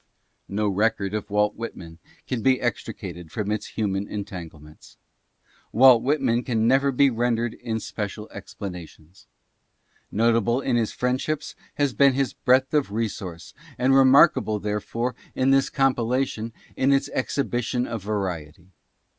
No record of Walt Whitman can be extricated from its human entanglements. Walt Whitman can never be rendered in spe cial explanations. Notable in his friendships has been his breadth of resource, and remarkable, therefore, in this compilation, is its exhibition of variety.